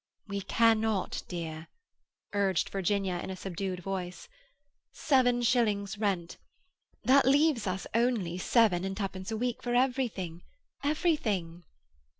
"We cannot, dear," urged Virginia in a subdued voice. "Seven shillings rent; that leaves only seven and twopence a week for everything—everything."